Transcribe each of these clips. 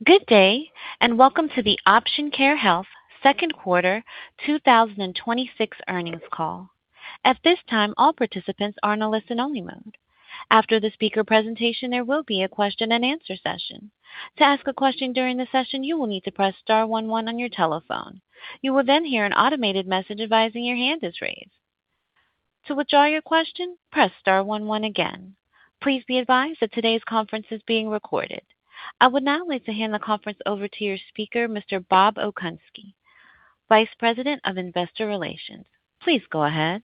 Welcome to the Option Care Health Second Quarter 2026 Earnings Call. At this time, all participants are in a listen only mode. After the speaker presentation, there will be a question and answer session. To ask a question during the session, you will need to press star one one on your telephone. You will then hear an automated message advising your hand is raised. To withdraw your question, press star one one again. Please be advised that today's conference is being recorded. I would now like to hand the conference over to your speaker, Mr. Bob Okunski, Vice President of Investor Relations. Please go ahead.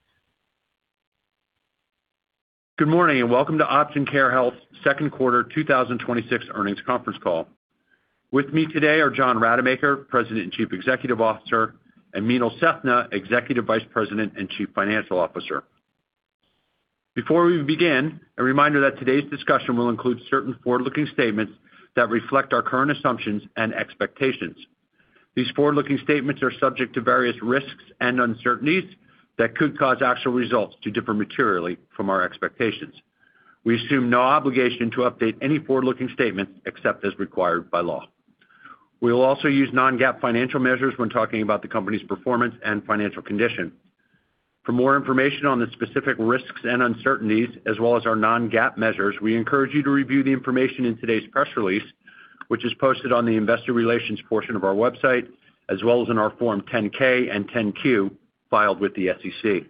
Good morning, and welcome to Option Care Health's Second Quarter 2026 Earnings Conference Call. With me today are John Rademacher, President and Chief Executive Officer, and Meenal Sethna, Executive Vice President and Chief Financial Officer. Before we begin, a reminder that today's discussion will include certain forward-looking statements that reflect our current assumptions and expectations. These forward-looking statements are subject to various risks and uncertainties that could cause actual results to differ materially from our expectations. We assume no obligation to update any forward-looking statement except as required by law. We will also use non-GAAP financial measures when talking about the company's performance and financial condition. For more information on the specific risks and uncertainties, as well as our non-GAAP measures, we encourage you to review the information in today's press release, which is posted on the investor relations portion of our website, as well as in our form 10-K and 10-Q filed with the SEC.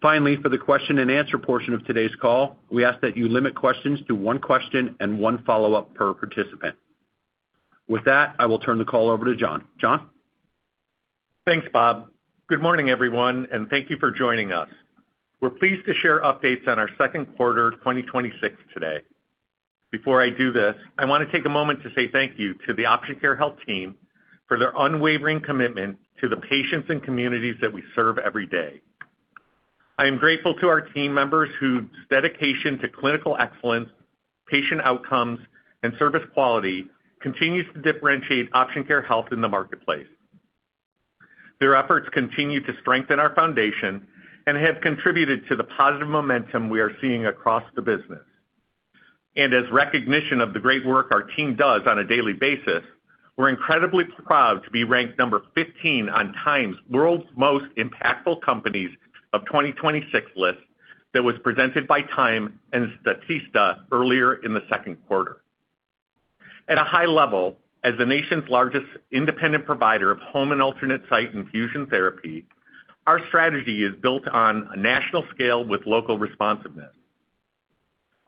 Finally, for the question and answer portion of today's call, we ask that you limit questions to one question and one follow-up per participant. With that, I will turn the call over to John. John? Thanks, Bob. Good morning, everyone, and thank you for joining us. We're pleased to share updates on our second quarter 2026 today. Before I do this, I want to take a moment to say thank you to the Option Care Health team for their unwavering commitment to the patients and communities that we serve every day. I am grateful to our team members whose dedication to clinical excellence, patient outcomes, and service quality continues to differentiate Option Care Health in the marketplace. Their efforts continue to strengthen our foundation and have contributed to the positive momentum we are seeing across the business. As recognition of the great work our team does on a daily basis, we're incredibly proud to be ranked number 15 on TIME's World's Most Impactful Companies of 2026 list that was presented by TIME and Statista earlier in the second quarter. At a high level, as the nation's largest independent provider of home and alternate site infusion therapy, our strategy is built on a national scale with local responsiveness.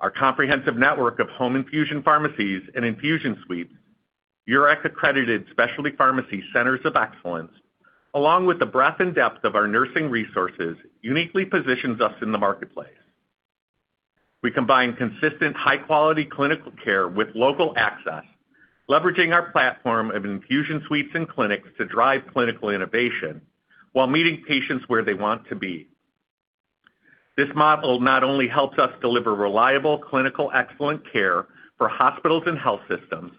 Our comprehensive network of home infusion pharmacies and infusion suites, URAC accredited specialty pharmacy centers of excellence, along with the breadth and depth of our nursing resources, uniquely positions us in the marketplace. We combine consistent, high quality clinical care with local access, leveraging our platform of infusion suites and clinics to drive clinical innovation while meeting patients where they want to be. This model not only helps us deliver reliable, clinical, excellent care for hospitals and health systems,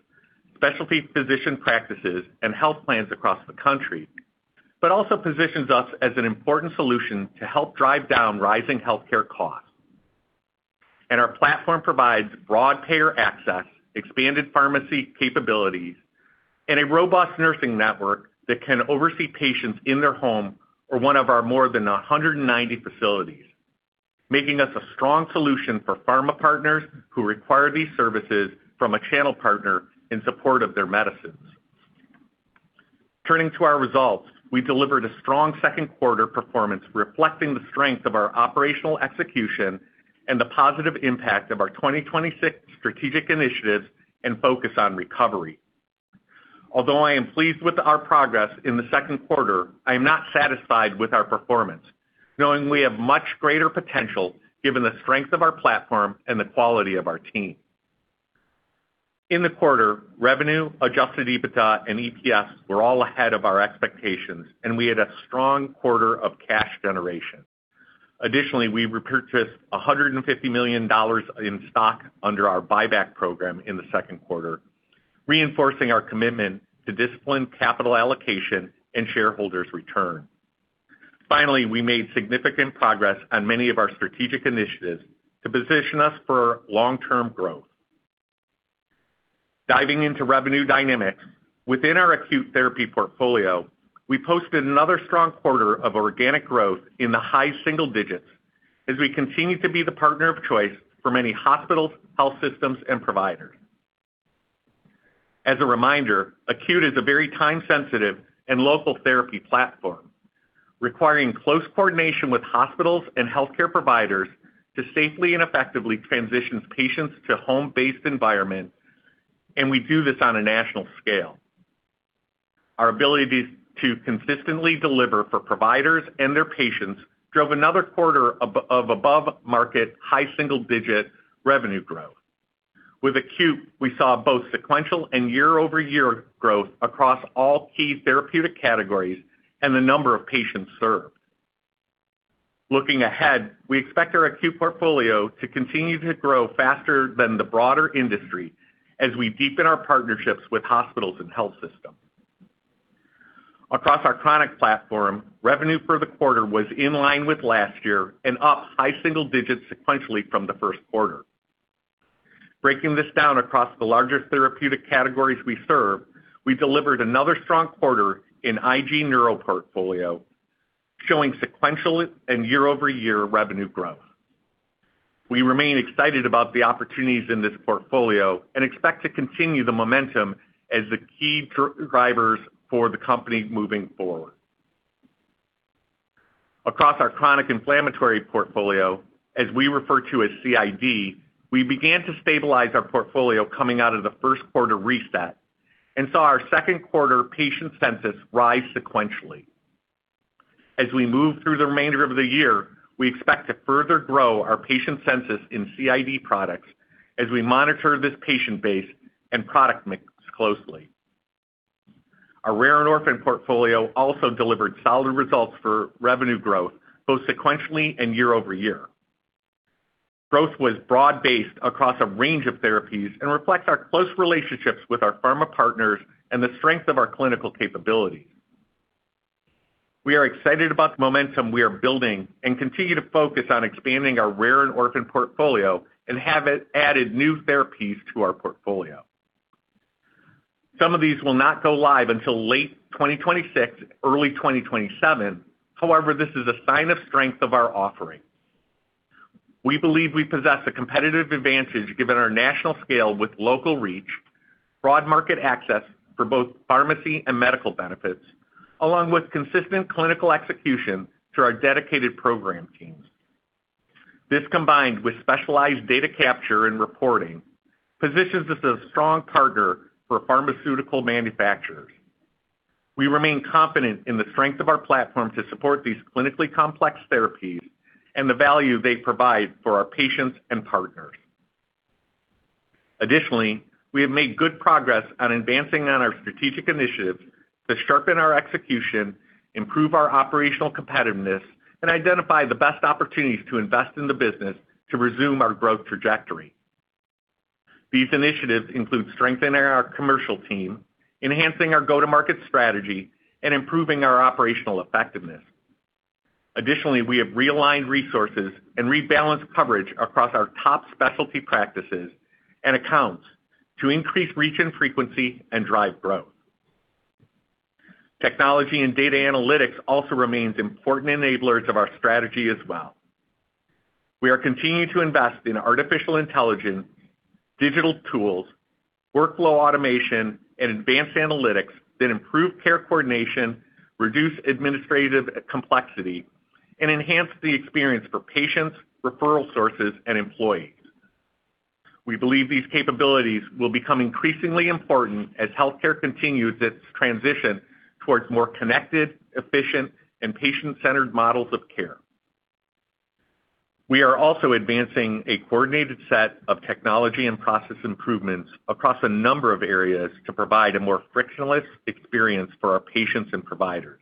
specialty physician practices, and health plans across the country, but also positions us as an important solution to help drive down rising healthcare costs. Our platform provides broad payer access, expanded pharmacy capabilities, and a robust nursing network that can oversee patients in their home or one of our more than 190 facilities, making us a strong solution for pharma partners who require these services from a channel partner in support of their medicines. Turning to our results, we delivered a strong second quarter performance reflecting the strength of our operational execution and the positive impact of our 2026 strategic initiatives and focus on recovery. Although I am pleased with our progress in the second quarter, I am not satisfied with our performance, knowing we have much greater potential given the strength of our platform and the quality of our team. In the quarter, revenue, adjusted EBITDA, and EPS were all ahead of our expectations, and we had a strong quarter of cash generation. Additionally, we repurchased $150 million in stock under our buyback program in the second quarter, reinforcing our commitment to disciplined capital allocation and shareholders' return. Finally, we made significant progress on many of our strategic initiatives to position us for long-term growth. Diving into revenue dynamics, within our acute therapy portfolio, we posted another strong quarter of organic growth in the high-single-digits as we continue to be the partner of choice for many hospitals, health systems, and providers. As a reminder, acute is a very time sensitive and local therapy platform requiring close coordination with hospitals and healthcare providers to safely and effectively transition patients to home-based environment. We do this on a national scale. Our ability to consistently deliver for providers and their patients drove another quarter of above-market, high-single-digit revenue growth. With acute, we saw both sequential and year-over-year growth across all key therapeutic categories and the number of patients served. Looking ahead, we expect our acute portfolio to continue to grow faster than the broader industry as we deepen our partnerships with hospitals and health systems. Across our chronic platform, revenue for the quarter was in line with last year and up high-single-digits sequentially from the first quarter. Breaking this down across the larger therapeutic categories we serve, we delivered another strong quarter in IG Neuro portfolio, showing sequential and year-over-year revenue growth. We remain excited about the opportunities in this portfolio and expect to continue the momentum as the key drivers for the company moving forward. Across our chronic inflammatory portfolio, as we refer to as CID, we began to stabilize our portfolio coming out of the first quarter reset and saw our second quarter patient census rise sequentially. As we move through the remainder of the year, we expect to further grow our patient census in CID products as we monitor this patient base and product mix closely. Our rare and orphan portfolio also delivered solid results for revenue growth, both sequentially and year-over-year. Growth was broad-based across a range of therapies and reflects our close relationships with our pharma partners and the strength of our clinical capabilities. We are excited about the momentum we are building and continue to focus on expanding our rare and orphan portfolio and have added new therapies to our portfolio. Some of these will not go live until late 2026, early 2027. This is a sign of strength of our offering. We believe we possess a competitive advantage given our national scale with local reach, broad market access for both pharmacy and medical benefits, along with consistent clinical execution through our dedicated program teams. This, combined with specialized data capture and reporting, positions us as a strong partner for pharmaceutical manufacturers. We remain confident in the strength of our platform to support these clinically complex therapies and the value they provide for our patients and partners. Additionally, we have made good progress on advancing on our strategic initiatives to sharpen our execution, improve our operational competitiveness, and identify the best opportunities to invest in the business to resume our growth trajectory. These initiatives include strengthening our commercial team, enhancing our go-to-market strategy, and improving our operational effectiveness. We have realigned resources and rebalanced coverage across our top specialty practices and accounts to increase reach and frequency and drive growth. Technology and data analytics also remains important enablers of our strategy as well. We are continuing to invest in artificial intelligence, digital tools, workflow automation, and advanced analytics that improve care coordination, reduce administrative complexity, and enhance the experience for patients, referral sources, and employees. We believe these capabilities will become increasingly important as healthcare continues its transition towards more connected, efficient, and patient-centered models of care. We are also advancing a coordinated set of technology and process improvements across a number of areas to provide a more frictionless experience for our patients and providers.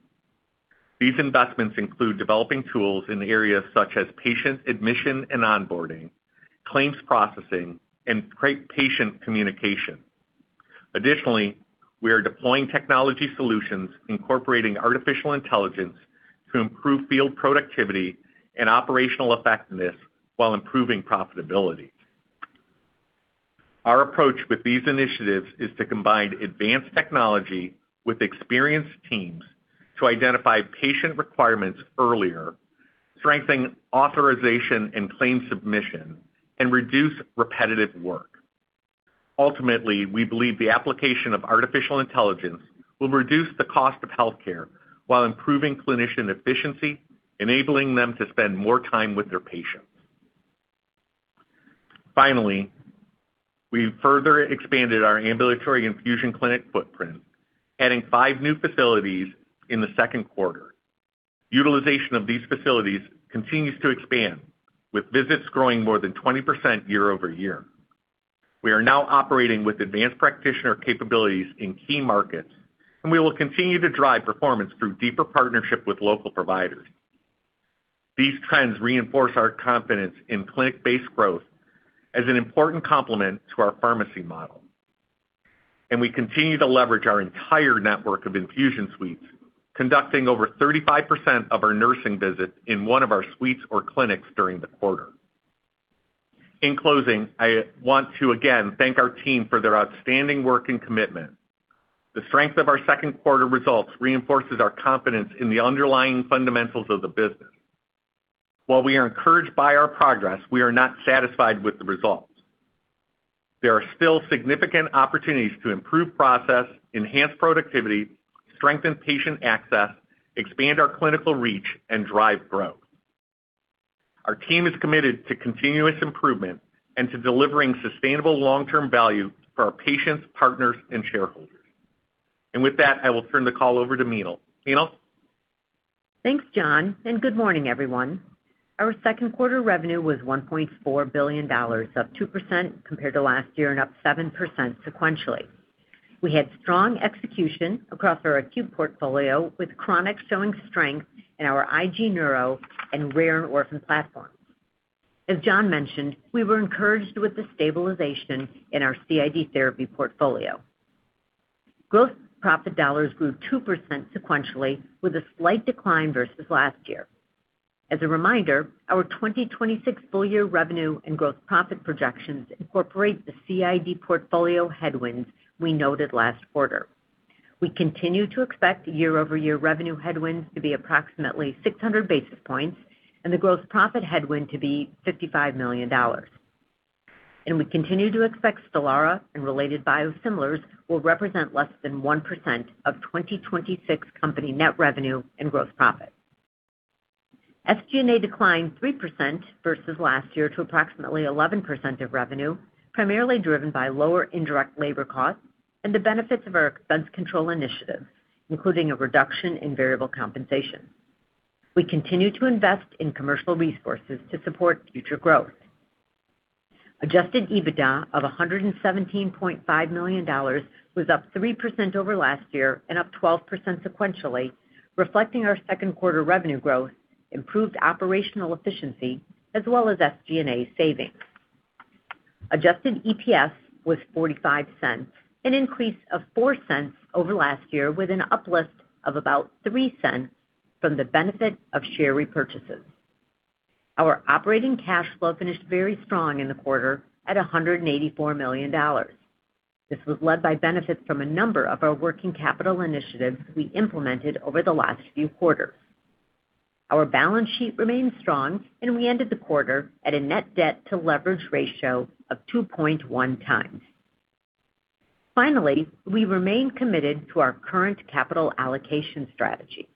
These investments include developing tools in areas such as patient admission and onboarding, claims processing, and patient communication. We are deploying technology solutions incorporating artificial intelligence to improve field productivity and operational effectiveness while improving profitability. Our approach with these initiatives is to combine advanced technology with experienced teams to identify patient requirements earlier, strengthen authorization and claim submission, and reduce repetitive work. Ultimately, we believe the application of artificial intelligence will reduce the cost of healthcare while improving clinician efficiency, enabling them to spend more time with their patients. We've further expanded our ambulatory infusion clinic footprint, adding five new facilities in the second quarter. Utilization of these facilities continues to expand, with visits growing more than 20% year-over-year. We are now operating with advanced practitioner capabilities in key markets, and we will continue to drive performance through deeper partnership with local providers. These trends reinforce our confidence in clinic-based growth as an important complement to our pharmacy model. We continue to leverage our entire network of infusion suites, conducting over 35% of our nursing visits in one of our suites or clinics during the quarter. In closing, I want to again thank our team for their outstanding work and commitment. The strength of our second quarter results reinforces our confidence in the underlying fundamentals of the business. While we are encouraged by our progress, we are not satisfied with the results. There are still significant opportunities to improve process, enhance productivity, strengthen patient access, expand our clinical reach, and drive growth. Our team is committed to continuous improvement and to delivering sustainable long-term value for our patients, partners, and shareholders. With that, I will turn the call over to Meenal. Meenal? Thanks, John. Good morning, everyone. Our second quarter revenue was $1.4 billion, up 2% compared to last year and up 7% sequentially. We had strong execution across our acute portfolio, with chronic showing strength in our IG Neuro and rare and orphan platforms. As John mentioned, we were encouraged with the stabilization in our CID therapy portfolio. Gross profit dollars grew 2% sequentially, with a slight decline versus last year. As a reminder, our 2026 full-year revenue and gross profit projections incorporate the CID portfolio headwinds we noted last quarter. We continue to expect year-over-year revenue headwinds to be approximately 600 basis points and the gross profit headwind to be $55 million. We continue to expect STELARA and related biosimilars will represent less than 1% of 2026 company net revenue and gross profit. SG&A declined 3% versus last year to approximately 11% of revenue, primarily driven by lower indirect labor costs and the benefits of our expense control initiatives, including a reduction in variable compensation. We continue to invest in commercial resources to support future growth. Adjusted EBITDA of $117.5 million was up 3% over last year and up 12% sequentially, reflecting our second quarter revenue growth, improved operational efficiency as well as SG&A savings. Adjusted EPS was $0.45, an increase of $0.04 over last year with an uplift of about $0.03 from the benefit of share repurchases. Our operating cash flow finished very strong in the quarter at $184 million. This was led by benefits from a number of our working capital initiatives we implemented over the last few quarters. Our balance sheet remains strong. We ended the quarter at a net debt to leverage ratio of 2.1x. Finally, we remain committed to our current capital allocation strategy.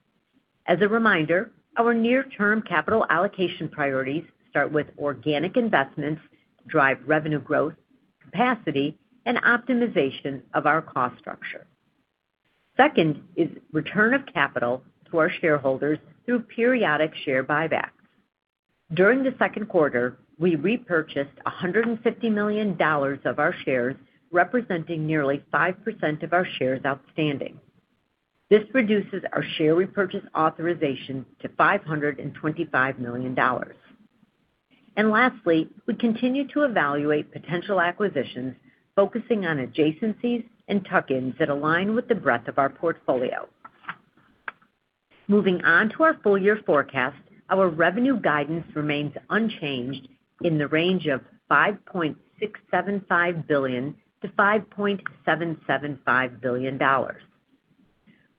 As a reminder, our near-term capital allocation priorities start with organic investments to drive revenue growth, capacity, and optimization of our cost structure. Second is return of capital to our shareholders through periodic share buybacks. During the second quarter, we repurchased $150 million of our shares, representing nearly 5% of our shares outstanding. This reduces our share repurchase authorization to $525 million. Lastly, we continue to evaluate potential acquisitions, focusing on adjacencies and tuck-ins that align with the breadth of our portfolio. Moving on to our full-year forecast, our revenue guidance remains unchanged in the range of $5.675 billion-$5.775 billion.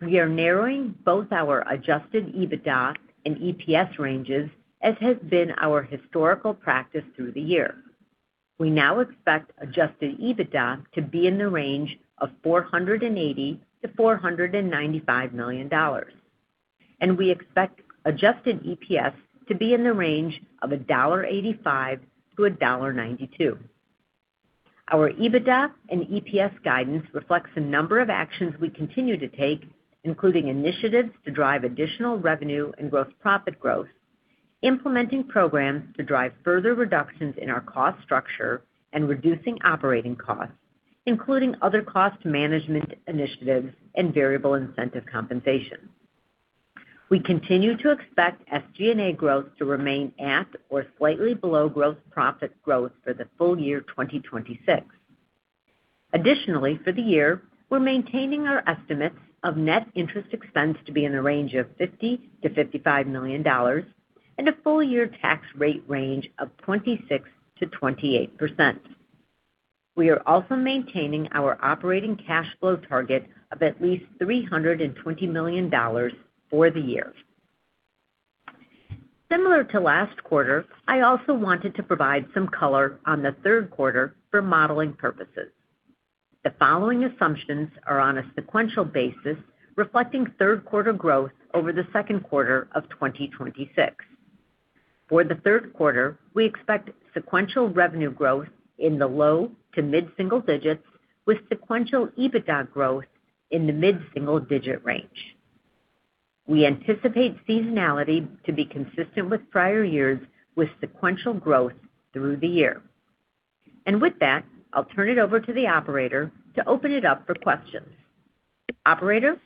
We are narrowing both our adjusted EBITDA and EPS ranges as has been our historical practice through the year. We now expect adjusted EBITDA to be in the range of $480 million-$495 million, and we expect adjusted EPS to be in the range of $1.85-$1.92. Our EBITDA and EPS guidance reflects a number of actions we continue to take, including initiatives to drive additional revenue and gross profit growth, implementing programs to drive further reductions in our cost structure, and reducing operating costs, including other cost management initiatives and variable incentive compensation. We continue to expect SG&A growth to remain at or slightly below gross profit growth for the full-year 2026. Additionally, for the year, we are maintaining our estimates of net interest expense to be in the range of $50 million-$55 million, and a full-year tax rate range of 26%-28%. We are also maintaining our operating cash flow target of at least $320 million for the year. Similar to last quarter, I also wanted to provide some color on the third quarter for modeling purposes. The following assumptions are on a sequential basis reflecting third quarter growth over the second quarter of 2026. For the third quarter, we expect sequential revenue growth in the low-to mid-single-digits, with sequential EBITDA growth in the mid-single-digit range. We anticipate seasonality to be consistent with prior years with sequential growth through the year. With that, I will turn it over to the operator to open it up for questions. Operator?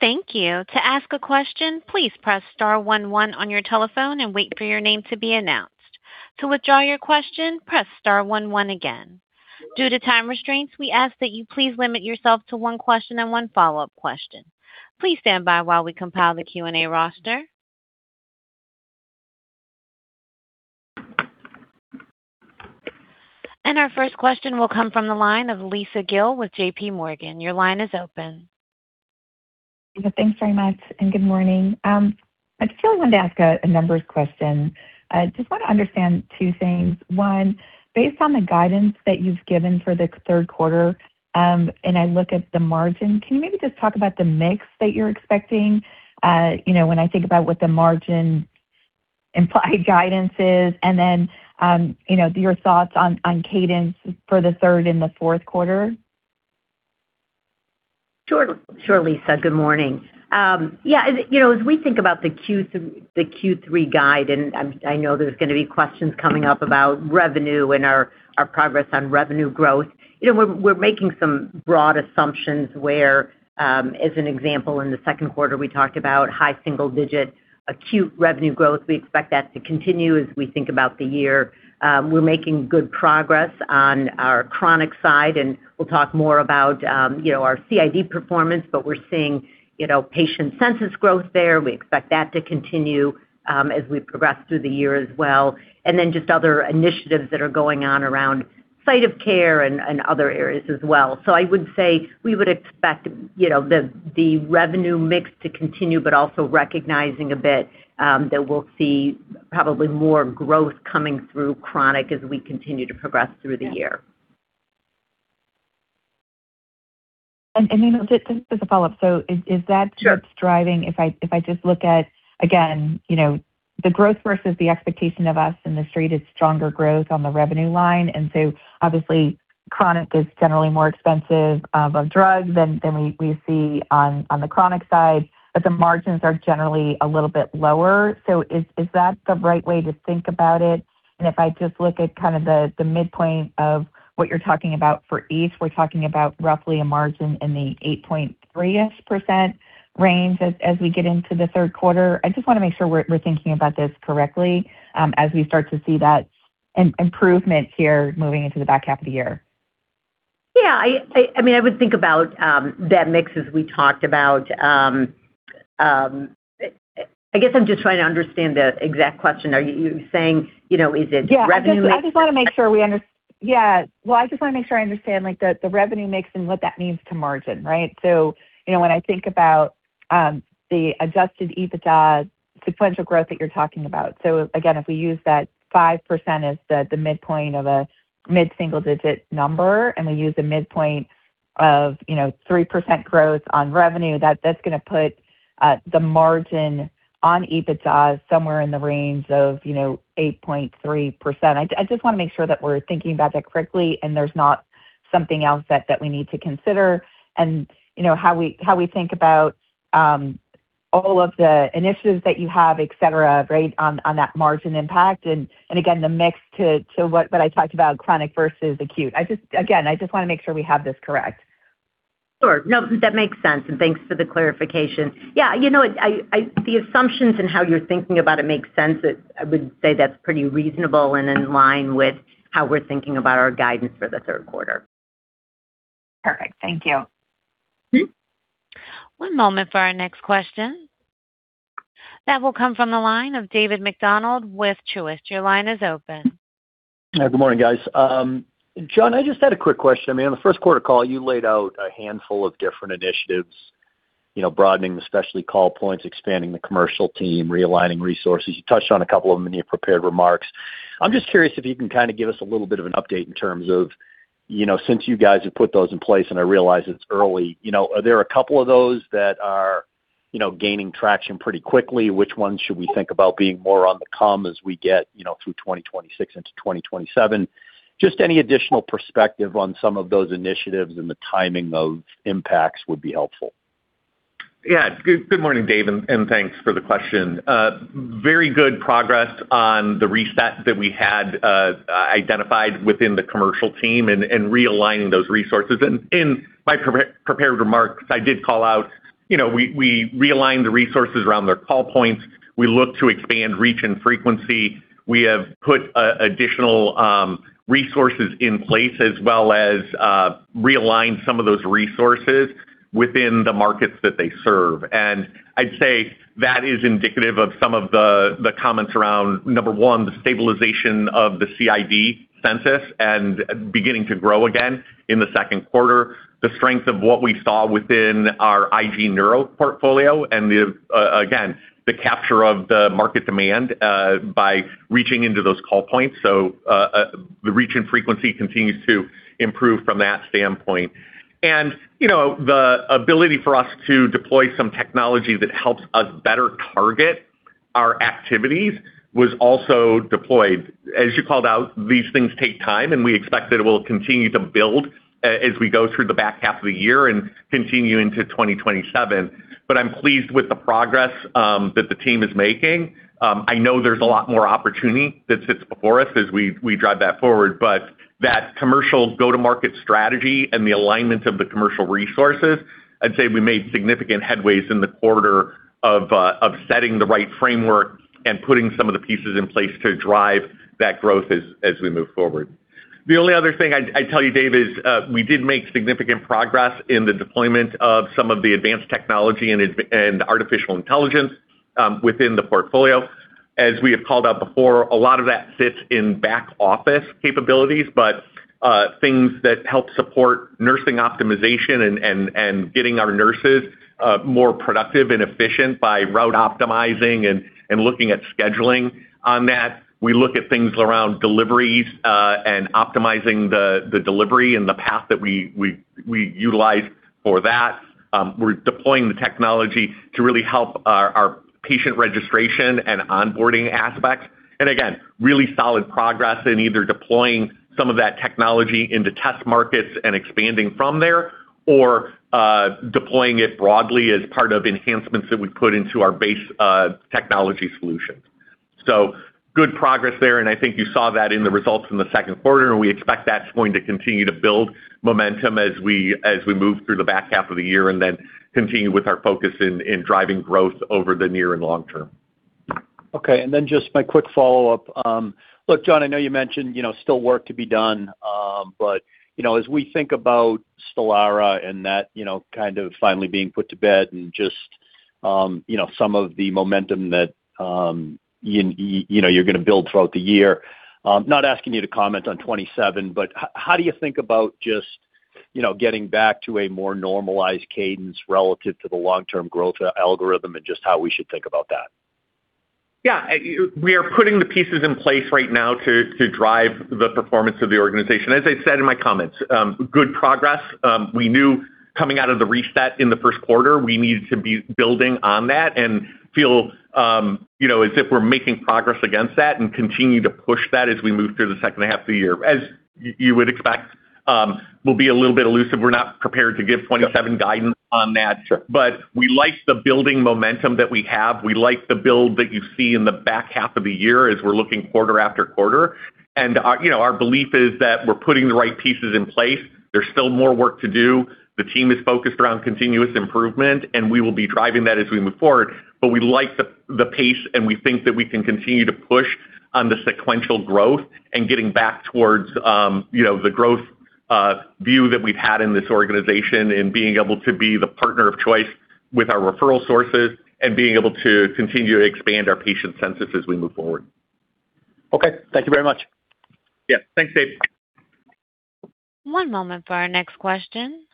Thank you. To ask a question, please press star one one on your telephone and wait for your name to be announced. To withdraw your question, press star one one again. Due to time constraints, we ask that you please limit yourself to one question and one follow-up question. Please stand by while we compile the Q&A roster. Our first question will come from the line of Lisa Gill with JPMorgan. Your line is open. Lisa, thanks very much, and good morning. I just really wanted to ask a numbers question. I just want to understand two things. One, based on the guidance that you have given for the third quarter, and I look at the margin, can you maybe just talk about the mix that you are expecting? When I think about what the margin implied guidance is, then your thoughts on cadence for the third and the fourth quarter. Sure, Lisa. Good morning. As we think about the Q3 guide, and I know there's going to be questions coming up about revenue and our progress on revenue growth. We're making some broad assumptions where, as an example, in the second quarter, we talked about high-single-digit acute revenue growth. We expect that to continue as we think about the year. We're making good progress on our chronic side, and we'll talk more about our CID performance, but we're seeing patient census growth there. We expect that to continue as we progress through the year as well. Just other initiatives that are going on around site of care and other areas as well. I would say, we would expect the revenue mix to continue, but also recognizing a bit that we'll see probably more growth coming through chronic as we continue to progress through the year. Just as a follow-up. Is that. Sure. What's driving, if I just look at, again, the growth versus the expectation of us in the Street is stronger growth on the revenue line. Obviously chronic is generally more expensive of a drug than we see on the chronic side, but the margins are generally a little bit lower. Is that the right way to think about it? If I just look at the midpoint of what you're talking about for each, we're talking about roughly a margin in the 8.3%-ish range as we get into the third quarter. I just want to make sure we're thinking about this correctly, as we start to see that improvement here moving into the back half of the year. I would think about that mix as we talked about. I guess I'm just trying to understand the exact question. Are you saying, is it revenue? I just want to make sure I understand, like, the revenue mix and what that means to margin. When I think about the adjusted EBITDA sequential growth that you're talking about. If we use that 5% as the midpoint of a mid-single-digit number, and we use a midpoint of 3% growth on revenue, that's going to put the margin on EBITDA somewhere in the range of 8.3%. I just want to make sure that we're thinking about that correctly and there's not something else that we need to consider and how we think about all of the initiatives that you have, et cetera, on that margin impact and again, the mix to what I talked about chronic versus acute. Again, I just want to make sure we have this correct. Sure. That makes sense, and thanks for the clarification. Yeah. The assumptions and how you're thinking about it makes sense. I would say that's pretty reasonable and in line with how we're thinking about our guidance for the third quarter. Perfect. Thank you. One moment for our next question. That will come from the line of David MacDonald with Truist. Your line is open. Good morning, guys. John, I just had a quick question. On the first quarter call, you laid out a handful of different initiatives, broadening the specialty call points, expanding the commercial team, realigning resources. You touched on a couple of them in your prepared remarks. I'm just curious if you can give us a little bit of an update in terms of, since you guys have put those in place, and I realize it's early. Are there a couple of those that are gaining traction pretty quickly? Which ones should we think about being more on the come as we get through 2026 into 2027? Just any additional perspective on some of those initiatives and the timing of impacts would be helpful. Yeah. Good morning, David, and thanks for the question. Very good progress on the reset that we had identified within the commercial team and realigning those resources. In my prepared remarks, I did call out, we realigned the resources around their call points. We look to expand reach and frequency. We have put additional resources in place as well as realigned some of those resources within the markets that they serve. I'd say that is indicative of some of the comments around, number one, the stabilization of the CID census and beginning to grow again in the second quarter. The strength of what we saw within our IG Neuro portfolio and again, the capture of the market demand, by reaching into those call points. The reach and frequency continues to improve from that standpoint. The ability for us to deploy some technology that helps us better target our activities was also deployed. As you called out, these things take time, and we expect that it will continue to build as we go through the back half of the year and continue into 2027. I'm pleased with the progress that the team is making. I know there's a lot more opportunity that sits before us as we drive that forward, but that commercial go-to-market strategy and the alignment of the commercial resources, I'd say we made significant headways in the quarter of setting the right framework and putting some of the pieces in place to drive that growth as we move forward. The only other thing I'd tell you, David, is we did make significant progress in the deployment of some of the advanced technology and artificial intelligence within the portfolio. As we have called out before, a lot of that sits in back-office capabilities, but things that help support nursing optimization and getting our nurses more productive and efficient by route optimizing and looking at scheduling on that. We look at things around deliveries, and optimizing the delivery and the path that we utilize for that. We're deploying the technology to really help our patient registration and onboarding aspect. Again, really solid progress in either deploying some of that technology into test markets and expanding from there, or deploying it broadly as part of enhancements that we put into our base technology solutions. Good progress there, I think you saw that in the results in the second quarter, we expect that's going to continue to build momentum as we move through the back half of the year and continue with our focus in driving growth over the near and long-term. Just my quick follow-up. John, I know you mentioned still work to be done. As we think about STELARA and that kind of finally being put to bed and just some of the momentum that you're going to build throughout the year, not asking you to comment on 2027, how do you think about just getting back to a more normalized cadence relative to the long-term growth algorithm and just how we should think about that? We are putting the pieces in place right now to drive the performance of the organization. As I said in my comments, good progress. We knew coming out of the reset in the first quarter, we needed to be building on that and feel as if we're making progress against that and continue to push that as we move through the second half of the year. As you would expect, we'll be a little bit elusive. We're not prepared to give 2027 guidance on that. Sure. We like the building momentum that we have. We like the build that you see in the back half of the year as we're looking quarter-after-quarter. Our belief is that we're putting the right pieces in place. There's still more work to do. The team is focused around continuous improvement, we will be driving that as we move forward. We like the pace, and we think that we can continue to push on the sequential growth and getting back towards the growth view that we've had in this organization and being able to be the partner of choice with our referral sources and being able to continue to expand our patient census as we move forward. Okay. Thank you very much. Yeah. Thanks, David. One moment for our next question.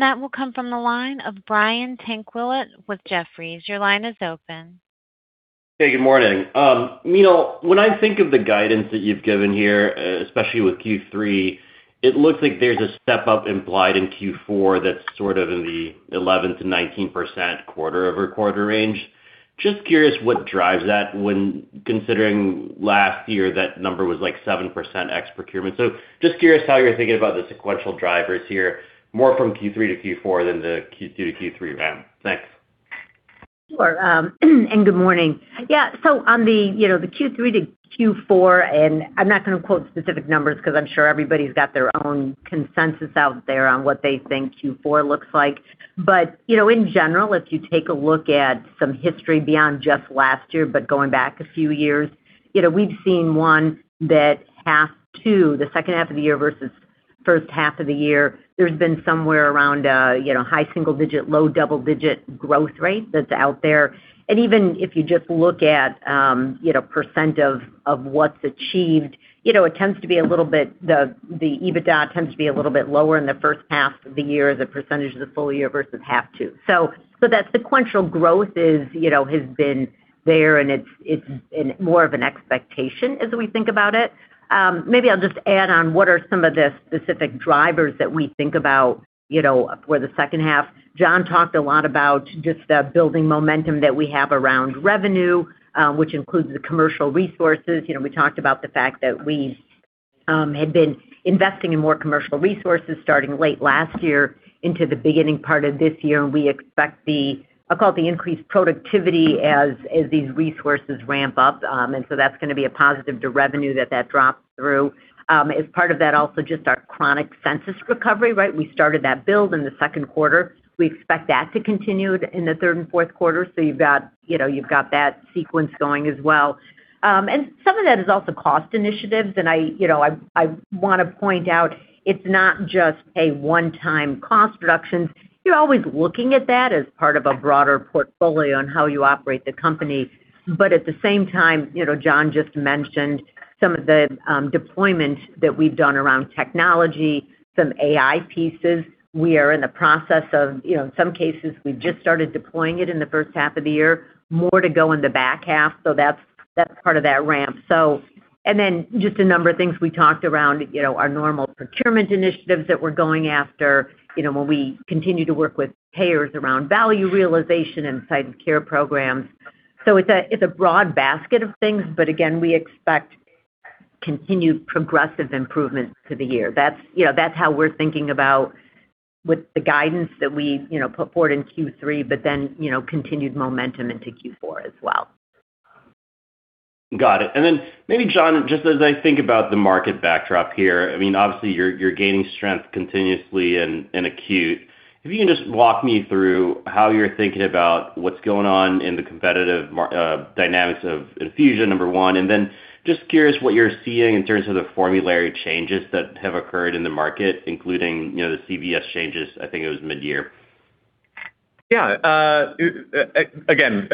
That will come from the line of Brian Tanquilut with Jefferies. Your line is open. Hey, good morning. Meenal, when I think of the guidance that you've given here, especially with Q3, it looks like there's a step-up implied in Q4 that's sort of in the 11%-19% quarter-over-quarter range. Just curious what drives that when considering last year that number was like 7% ex procurement. Just curious how you're thinking about the sequential drivers here, more from Q3 to Q4 than the Q2 to Q3 ramp. Thanks. Good morning. On the Q3 to Q4, I'm not going to quote specific numbers because I'm sure everybody's got their own consensus out there on what they think Q4 looks like. In general, if you take a look at some history beyond just last year, going back a few years, we've seen one that half two, the second half of the year versus first half of the year, there's been somewhere around a high-single-digit, low-double-digit growth rate that's out there. Even if you just look at percent of what's achieved, the EBITDA tends to be a little bit lower in the first half of the year as a percentage of the full-year versus half two. That sequential growth has been there, it's more of an expectation as we think about it. Maybe I'll just add on what are some of the specific drivers that we think about for the second half. John talked a lot about just the building momentum that we have around revenue, which includes the commercial resources. We talked about the fact that we had been investing in more commercial resources starting late last year into the beginning part of this year, we expect the, I'll call it the increased productivity as these resources ramp-up. That's going to be a positive to revenue that that drops through. As part of that also, just our chronic census recovery, right? We started that build in the second quarter. We expect that to continue in the third and fourth quarter. You've got that sequence going as well. Some of that is also cost initiatives, I want to point out it's not just a one-time cost reduction. You're always looking at that as part of a broader portfolio on how you operate the company. At the same time, John just mentioned some of the deployment that we've done around technology, some AI pieces. We are in the process of, in some cases, we've just started deploying it in the first half of the year. More to go in the back half. That's part of that ramp. Just a number of things we talked around, our normal procurement initiatives that we're going after, when we continue to work with payers around value realization inside of care programs. It's a broad basket of things, again, we expect continued progressive improvements to the year. That's how we're thinking about with the guidance that we put forward in Q3, continued momentum into Q4 as well. Got it. Maybe, John, just as I think about the market backdrop here, obviously you're gaining strength continuously in acute. If you can just walk me through how you're thinking about what's going on in the competitive dynamics of infusion, number one, and then just curious what you're seeing in terms of the formulary changes that have occurred in the market, including the CVS changes, I think it was mid-year. Yeah. Again,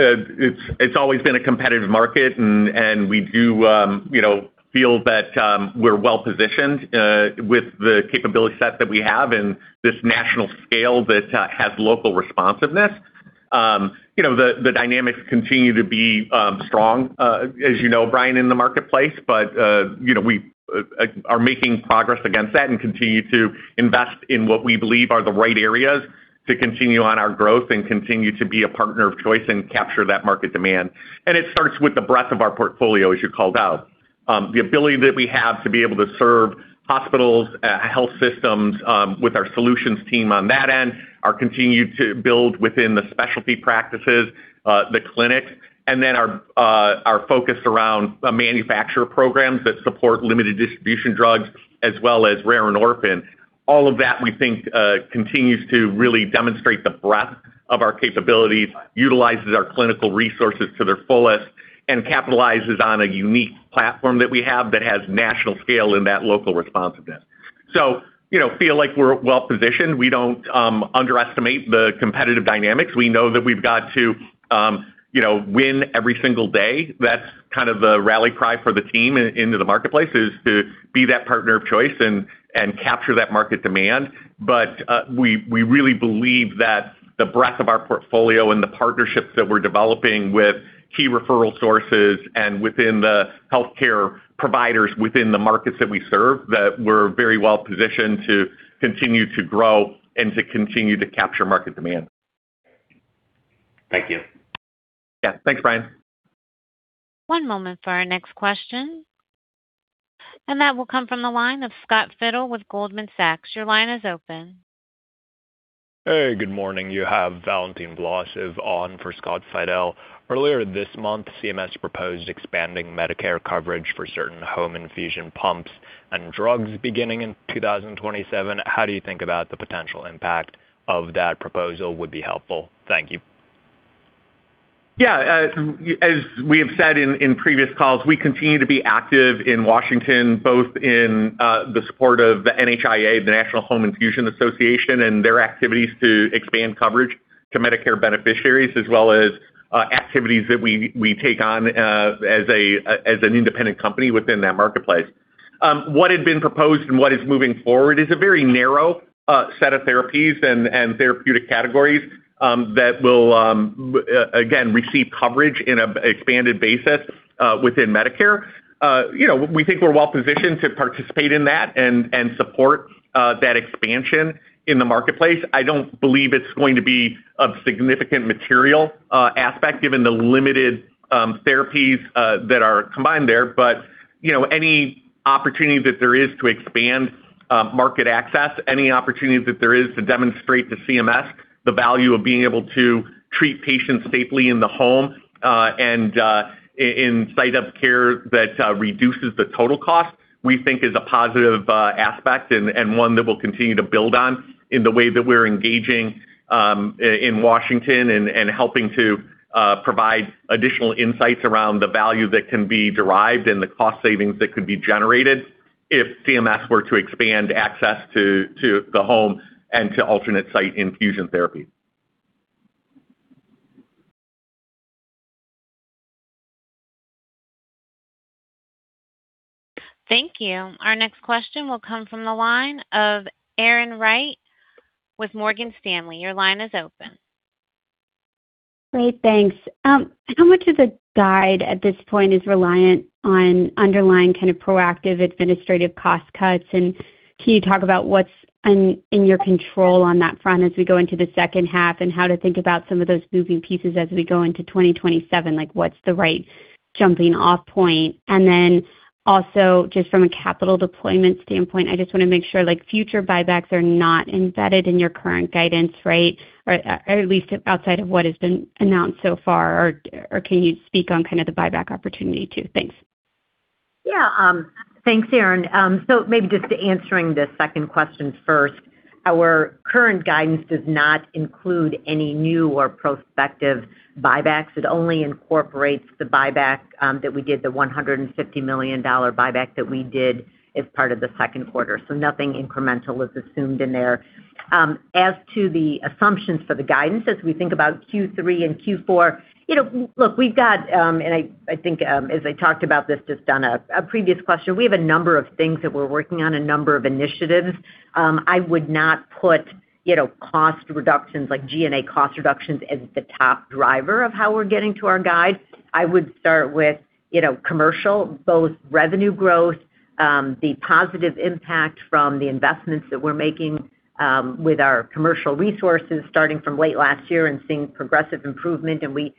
it's always been a competitive market, and we do feel that we're well-positioned with the capability set that we have and this national scale that has local responsiveness. The dynamics continue to be strong, as you know, Brian, in the marketplace. We are making progress against that and continue to invest in what we believe are the right areas to continue on our growth and continue to be a partner of choice and capture that market demand. It starts with the breadth of our portfolio, as you called out. The ability that we have to be able to serve hospitals, health systems with our solutions team on that end, are continued to build within the specialty practices, the clinics, and then our focus around manufacturer programs that support limited distribution drugs as well as rare and orphan. All of that we think continues to really demonstrate the breadth of our capabilities, utilizes our clinical resources to their fullest, and capitalizes on a unique platform that we have that has national scale and that local responsiveness. Feel like we're well-positioned. We don't underestimate the competitive dynamics. We know that we've got to win every single day. That's kind of the rally cry for the team into the marketplace, is to be that partner of choice and capture that market demand. We really believe that the breadth of our portfolio and the partnerships that we're developing with key referral sources and within the healthcare providers within the markets that we serve, that we're very well positioned to continue to grow and to continue to capture market demand. Thank you. Yeah. Thanks, Brian. One moment for our next question. That will come from the line of Scott Fidel with Goldman Sachs. Your line is open. Hey, good morning. You have Valentine Vlasov on for Scott Fidel. Earlier this month, CMS proposed expanding Medicare coverage for certain home infusion pumps and drugs beginning in 2027. How do you think about the potential impact of that proposal would be helpful? Thank you. Yeah. As we have said in previous calls, we continue to be active in Washington, both in the support of the NHIA, the National Home Infusion Association, and their activities to expand coverage to Medicare beneficiaries, as well as activities that we take on as an independent company within that marketplace. What had been proposed and what is moving forward is a very narrow set of therapies and therapeutic categories that will, again, receive coverage in an expanded basis within Medicare. We think we're well positioned to participate in that and support that expansion in the marketplace. I don't believe it's going to be a significant material aspect given the limited therapies that are combined there. Any opportunity that there is to expand market access, any opportunity that there is to demonstrate to CMS the value of being able to treat patients safely in the home, and in site of care that reduces the total cost, we think is a positive aspect and one that we'll continue to build on in the way that we're engaging in Washington and helping to provide additional insights around the value that can be derived and the cost savings that could be generated if CMS were to expand access to the home and to alternate site infusion therapy. Thank you. Our next question will come from the line of Erin Wright with Morgan Stanley. Your line is open. Great. Thanks. How much of the guide at this point is reliant on underlying kind of proactive administrative cost cuts? Can you talk about what's in your control on that front as we go into the second half and how to think about some of those moving pieces as we go into 2027? Like, what's the right jumping off point? And then also just from a capital deployment standpoint, I just want to make sure, future buybacks are not embedded in your current guidance, right? Or at least outside of what has been announced so far, or can you speak on kind of the buyback opportunity too? Thanks. Yeah. Thanks, Erin. Maybe just answering the second question first. Our current guidance does not include any new or prospective buybacks. It only incorporates the buyback that we did, the $150 million buyback that we did as part of the second quarter. Nothing incremental is assumed in there. As to the assumptions for the guidance, as we think about Q3 and Q4, look, we've got, and I think as I talked about this just on a previous question, we have a number of things that we're working on, a number of initiatives. I would not put cost reductions like G&A cost reductions as the top driver of how we're getting to our guide. I would start with commercial, both revenue growth, the positive impact from the investments that we're making with our commercial resources starting from late last year and seeing progressive improvement, and we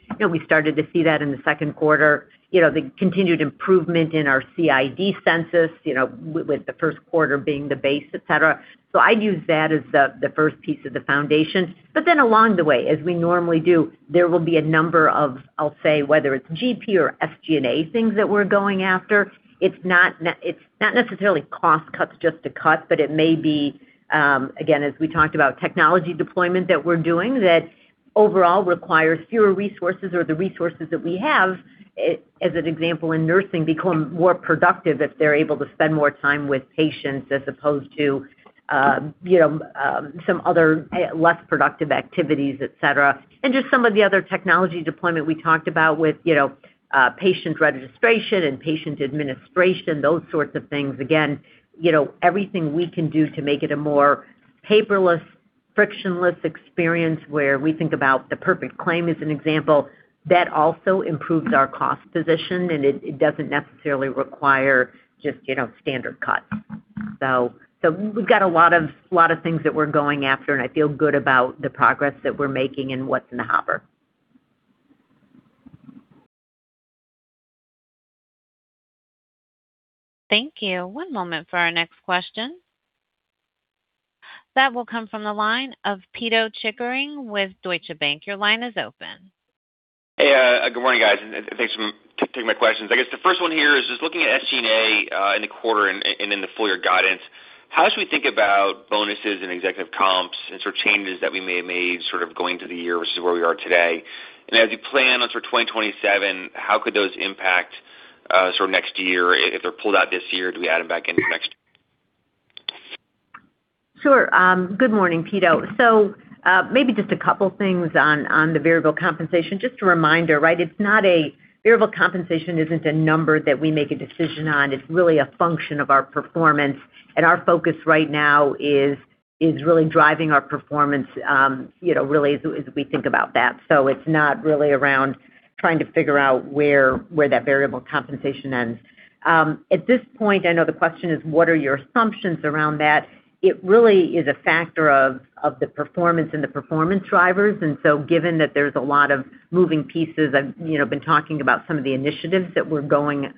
started to see that in the second quarter. The continued improvement in our CID census with the first quarter being the base, et cetera. I'd use that as the first piece of the foundation. Along the way, as we normally do, there will be a number of, I'll say, whether it's GP or SG&A things that we're going after. It's not necessarily cost cuts just to cut, but it may be, again, as we talked about technology deployment that we're doing that overall requires fewer resources or the resources that we have, as an example, in nursing, become more productive if they're able to spend more time with patients as opposed to some other less productive activities, et cetera. Just some of the other technology deployment we talked about with patient registration and patient administration, those sorts of things. Again, everything we can do to make it a more paperless frictionless experience where we think about the perfect claim as an example, that also improves our cost position, and it doesn't necessarily require just standard cut. We've got a lot of things that we're going after, and I feel good about the progress that we're making and what's in the hopper. Thank you. One moment for our next question. That will come from the line of Pito Chickering with Deutsche Bank. Your line is open. Hey, good morning, guys, and thanks for taking my questions. I guess the first one here is just looking at SG&A in the quarter and in the full-year guidance, how should we think about bonuses and executive comps and changes that we may have made sort of going through the year versus where we are today? As you plan on sort of 2027, how could those impact next year if they're pulled out this year? Do we add them back in for next year? Sure. Good morning, Pito. Maybe just a couple things on the variable compensation. Just a reminder, variable compensation isn't a number that we make a decision on. It's really a function of our performance, and our focus right now is really driving our performance really as we think about that. It's not really around trying to figure out where that variable compensation ends. At this point, I know the question is, what are your assumptions around that? It really is a factor of the performance and the performance drivers. Given that there's a lot of moving pieces, I've been talking about some of the initiatives that are going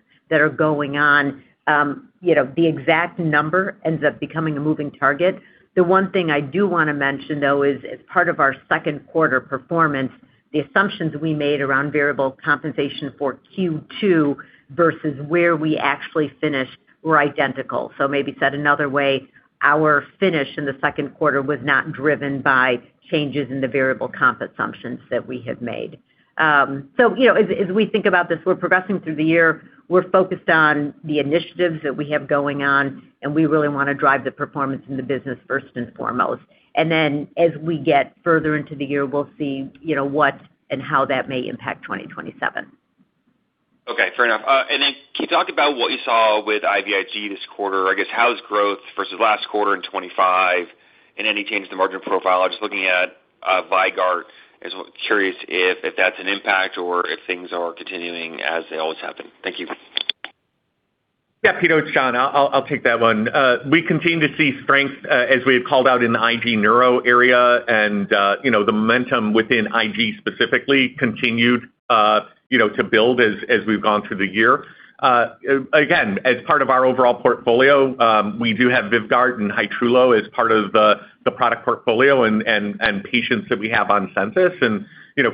on. The exact number ends up becoming a moving target. The one thing I do want to mention, though, is as part of our second quarter performance, the assumptions we made around variable compensation for Q2 versus where we actually finished were identical. Maybe said another way, our finish in the second quarter was not driven by changes in the variable comp assumptions that we had made. As we think about this, we're progressing through the year. We're focused on the initiatives that we have going on, and we really want to drive the performance in the business first and foremost. Then as we get further into the year, we'll see what and how that may impact 2027. Okay, fair enough. Can you talk about what you saw with IVIG this quarter, I guess, how is growth versus last quarter in 2025 and any change in the margin profile? I'm just looking at VYVGART. Just curious if that's an impact or if things are continuing as they always have been. Thank you. Yeah, Pito, it's John. I'll take that one. We continue to see strength as we had called out in the IG Neuro area, and the momentum within IG specifically continued to build as we've gone through the year. Again, as part of our overall portfolio, we do have VYVGART and Hytrulo as part of the product portfolio and patients that we have on [census] and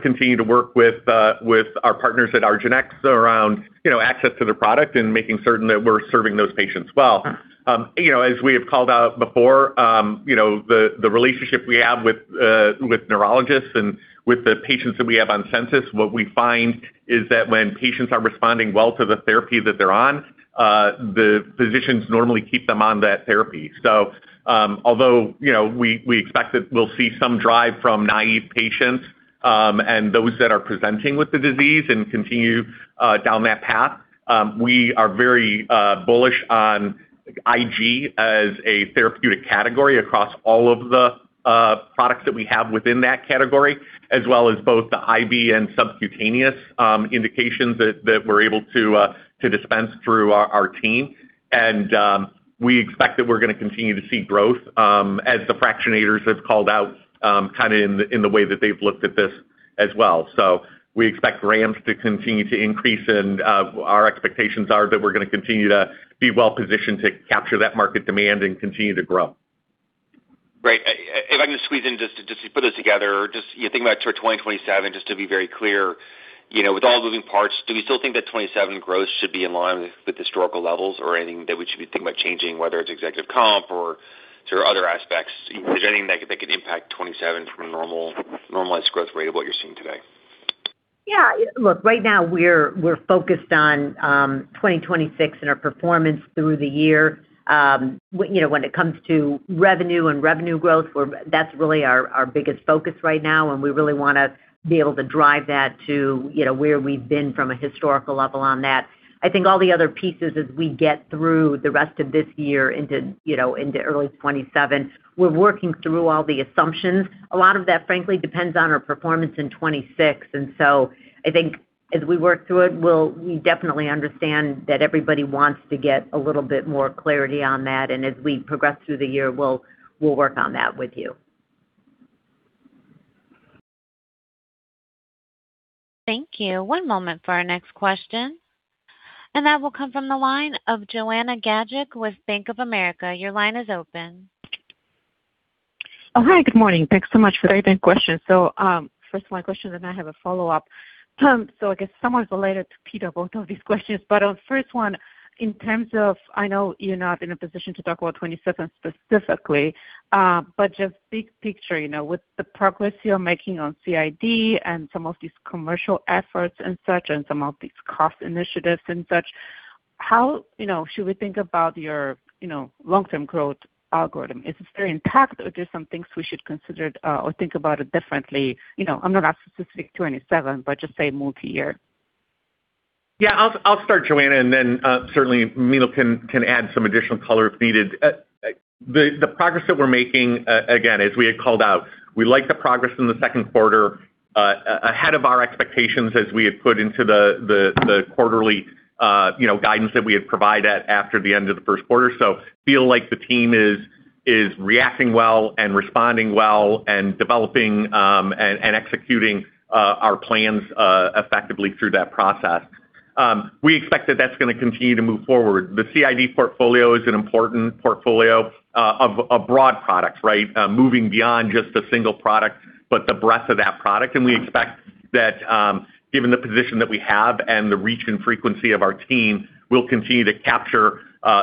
continue to work with our partners at argenx around access to their product and making certain that we're serving those patients well. As we have called out before, the relationship we have with neurologists and with the patients that we have on [census], what we find is that when patients are responding well to the therapy that they're on, the physicians normally keep them on that therapy. Although we expect that we'll see some drive from naive patients and those that are presenting with the disease and continue down that path, we are very bullish on IG as a therapeutic category across all of the products that we have within that category, as well as both the IV and subcutaneous indications that we're able to dispense through our team. We expect that we're going to continue to see growth as the fractionators have called out kind of in the way that they've looked at this as well. We expect ramps to continue to increase, and our expectations are that we're going to continue to be well-positioned to capture that market demand and continue to grow. Great. If I can just squeeze in just to put this together, just you're thinking about sort of 2027, just to be very clear, with all the moving parts, do we still think that 2027 growth should be in line with historical levels or anything that we should be thinking about changing, whether it's executive comp or other aspects, anything that could impact 2027 from a normalized growth rate of what you're seeing today? Right now we're focused on 2026 and our performance through the year. When it comes to revenue and revenue growth, that's really our biggest focus right now, and we really want to be able to drive that to where we've been from a historical level on that. I think all the other pieces as we get through the rest of this year into early 2027, we're working through all the assumptions. A lot of that, frankly, depends on our performance in 2026. I think as we work through it, we definitely understand that everybody wants to get a little bit more clarity on that. As we progress through the year, we'll work on that with you. Thank you. One moment for our next question, and that will come from the line of Joanna Gajuk with Bank of America. Your line is open. Oh, hi. Good morning. Thanks so much for taking the question. First of my questions, and I have a follow-up. I guess somewhat related to Pito, both of these questions, but on the first one, in terms of, I know you're not in a position to talk about 2027 specifically, but just big picture, with the progress you're making on CID and some of these commercial efforts and such, and some of these cost initiatives and such, how should we think about your long-term growth algorithm? Is this very intact, or there's some things we should consider or think about it differently? I'm not asking specific to 2027, but just say multi-year. Yeah, I'll start, Joanna, and then certainly Meenal can add some additional color if needed. The progress that we're making, again, as we had called out, we like the progress in the second quarter, ahead of our expectations as we had put into the quarterly guidance that we had provided after the end of the first quarter. Feel like the team is reacting well and responding well and developing, and executing our plans effectively through that process. We expect that's going to continue to move forward. The CID portfolio is an important portfolio of broad products, right? Moving beyond just a single product, but the breadth of that product. We expect that given the position that we have and the reach and frequency of our team, we'll continue to capture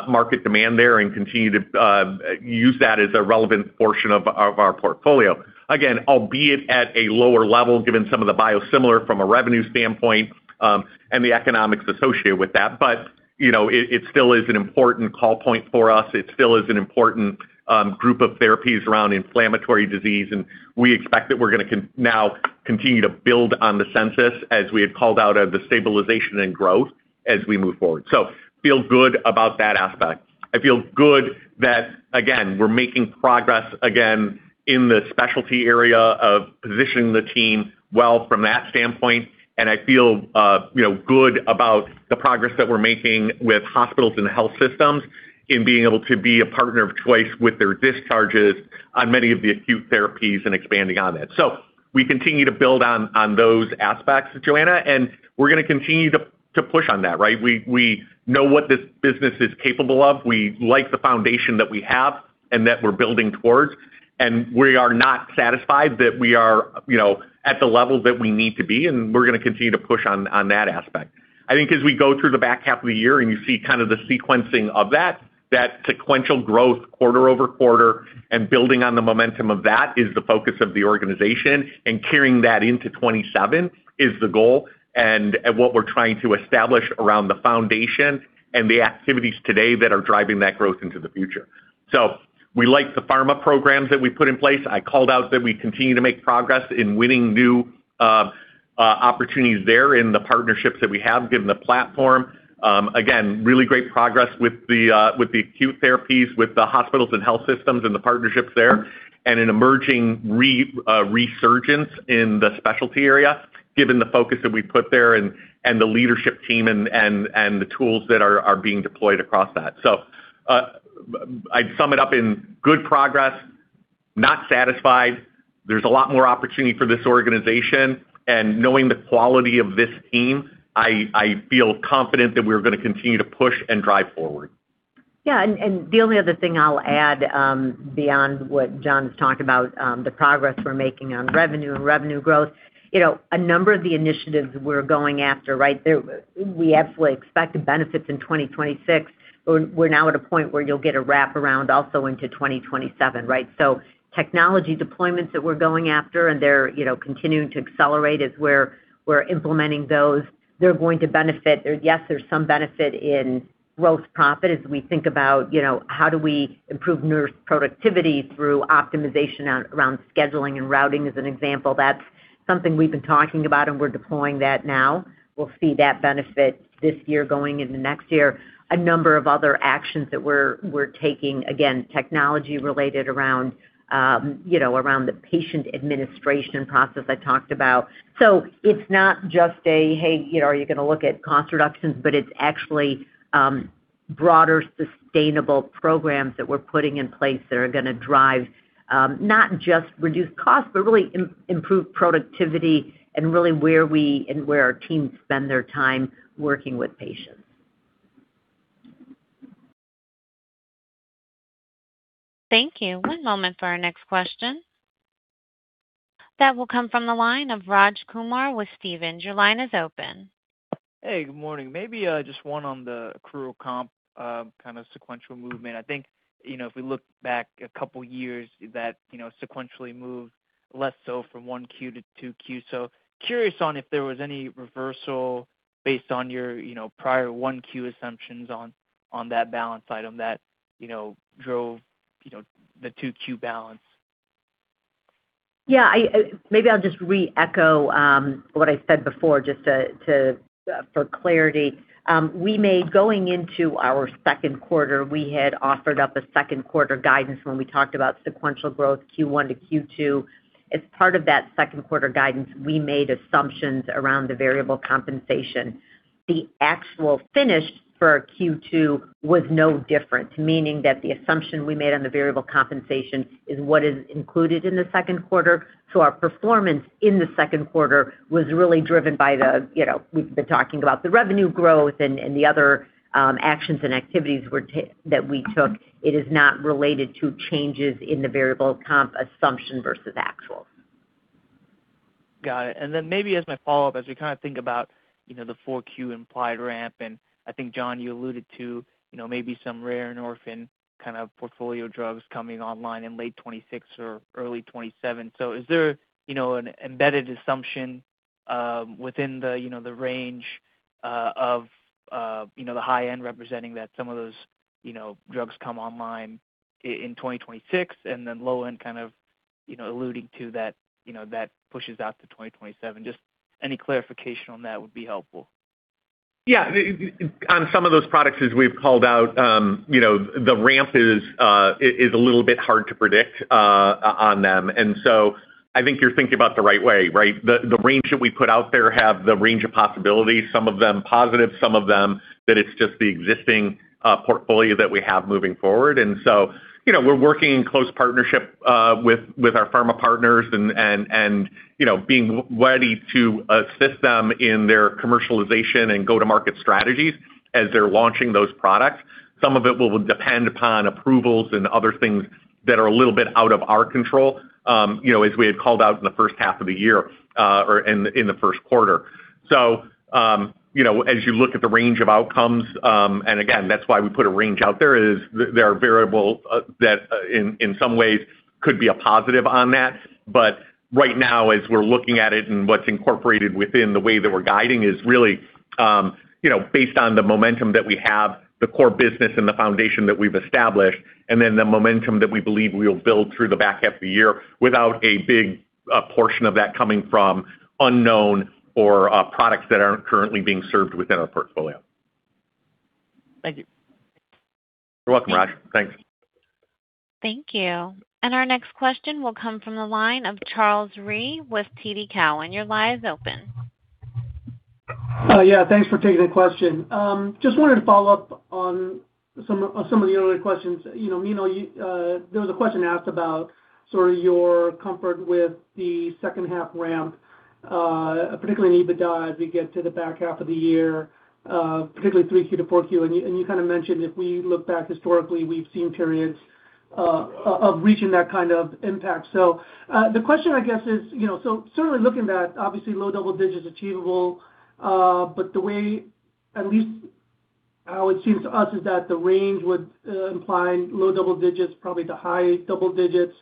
market demand there and continue to use that as a relevant portion of our portfolio. Again, albeit at a lower level, given some of the biosimilar from a revenue standpoint, and the economics associated with that. It still is an important call point for us. It still is an important group of therapies around inflammatory disease, and we expect that we're going to now continue to build on the census as we had called out of the stabilization and growth as we move forward. Feel good about that aspect. I feel good that, again, we're making progress again in the specialty area of positioning the team well from that standpoint, and I feel good about the progress that we're making with hospitals and health systems in being able to be a partner of choice with their discharges on many of the acute therapies and expanding on that. We continue to build on those aspects, Joanna, and we're going to continue to push on that, right? We know what this business is capable of. We like the foundation that we have and that we're building towards, and we are not satisfied that we are at the level that we need to be, and we're going to continue to push on that aspect. I think as we go through the back half of the year and you see kind of the sequencing of that sequential growth quarter-over-quarter and building on the momentum of that is the focus of the organization, and carrying that into 2027 is the goal and what we're trying to establish around the foundation and the activities today that are driving that growth into the future. We like the pharma programs that we put in place. I called out that we continue to make progress in winning new opportunities there in the partnerships that we have given the platform. Really great progress with the acute therapies, with the hospitals and health systems and the partnerships there, and an emerging resurgence in the specialty area, given the focus that we put there and the leadership team and the tools that are being deployed across that. I'd sum it up in good progress, not satisfied. There's a lot more opportunity for this organization and knowing the quality of this team, I feel confident that we're going to continue to push and drive forward. The only other thing I'll add, beyond what John's talked about, the progress we're making on revenue and revenue growth. A number of the initiatives we're going after, right, we absolutely expect the benefits in 2026. We're now at a point where you'll get a wraparound also into 2027, right? Technology deployments that we're going after, and they're continuing to accelerate as we're implementing those. They're going to benefit. There's some benefit in gross profit as we think about how do we improve nurse productivity through optimization around scheduling and routing, as an example. That's something we've been talking about, and we're deploying that now. We'll see that benefit this year going into next year. A number of other actions that we're taking, again, technology related around the patient administration process I talked about. It's not just a, "Hey, are you going to look at cost reductions?" It's actually broader, sustainable programs that we're putting in place that are going to drive, not just reduced costs, but really improved productivity and really where we and where our teams spend their time working with patients. Thank you. One moment for our next question. That will come from the line of Raj Kumar with Stephens. Your line is open. Hey, good morning. Maybe just one on the accrual comp, kind of sequential movement. I think, if we look back a couple of years that sequentially moved less so from 1Q to 2Q. Curious on if there was any reversal based on your prior 1Q assumptions on that balance item that drove the 2Q balance. Yeah. Maybe I'll just re-echo what I said before just for clarity. Going into our 2Q, we had offered up a 2Q guidance when we talked about sequential growth Q1 to Q2. As part of that 2Q guidance, we made assumptions around the variable compensation. The actual finish for our Q2 was no different, meaning that the assumption we made on the variable compensation is what is included in the 2Q. Our performance in the 2Q was really driven by the We've been talking about the revenue growth and the other actions and activities that we took. It is not related to changes in the variable comp assumption versus actuals. Got it. Maybe as my follow-up, as we think about the 4Q implied ramp, I think, John, you alluded to maybe some rare and orphan kind of portfolio drugs coming online in late 2026 or early 2027. Is there an embedded assumption within the range of the high-end representing that some of those drugs come online in 2026 and then low-end kind of Alluding to that pushes out to 2027. Just any clarification on that would be helpful. Yeah. On some of those products, as we've called out, the ramp is a little bit hard to predict on them. I think you're thinking about the right way, right? The range that we put out there have the range of possibilities, some of them positive, some of them that it's just the existing portfolio that we have moving forward. We're working in close partnership with our pharma partners and being ready to assist them in their commercialization and go-to-market strategies as they're launching those products. Some of it will depend upon approvals and other things that are a little bit out of our control, as we had called out in the first half of the year or in the first quarter. As you look at the range of outcomes, and again, that's why we put a range out there are variables that in some ways could be a positive on that. Right now, as we're looking at it and what's incorporated within the way that we're guiding is really based on the momentum that we have, the core business and the foundation that we've established, and then the momentum that we believe we'll build through the back half of the year without a big portion of that coming from unknown or products that aren't currently being served within our portfolio. Thank you. You're welcome, Raj. Thanks. Thank you. Our next question will come from the line of Charles Rhyee with TD Cowen. Your line is open. Thanks for taking the question. Just wanted to follow up on some of the earlier questions. There was a question asked about your comfort with the second half ramp, particularly in EBITDA, as we get to the back half of the year, particularly 3Q to 4Q, and you mentioned if we look back historically, we've seen periods of reaching that kind of impact. The question, I guess, is, certainly looking that obviously low-double-digits achievable, but the way at least how it seems to us is that the range would imply low-double-digits, probably to high-double-digits is the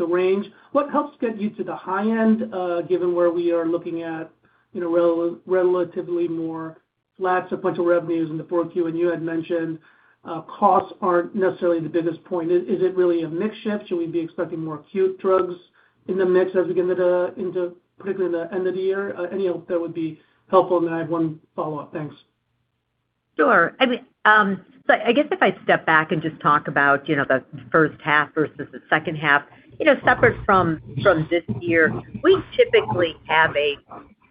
range. What helps get you to the high-end, given where we are looking at relatively more flat sequential revenues in the 4Q, and you had mentioned costs aren't necessarily the biggest point. Is it really a mix shift? Should we be expecting more acute drugs in the mix as we get into particularly the end of the year? Any help there would be helpful, and I have one follow-up. Thanks. Sure. I guess if I step back and talk about the first half versus the second half. Separate from this year, we typically have a